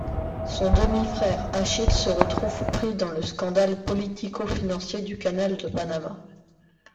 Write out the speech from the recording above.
Son demi-frère Achille se retrouve pris dans le scandale politico-financier du canal de Panama.